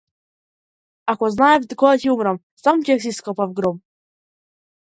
Ако знаев кога ќе умрам, сам ќе си ископав гроб.